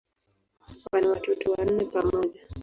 Wana watoto wanne pamoja.